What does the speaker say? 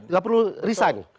tidak perlu resign